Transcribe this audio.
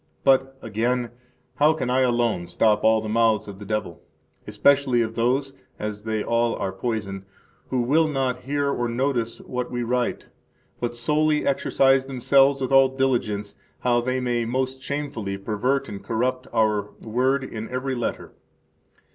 But, again, how can I alone stop all the mouths of the devil? especially of those (as they all are poisoned) who will not hear or notice what we write, but solely exercise themselves with all diligence how they may most shamefully pervert and corrupt our word in every letter.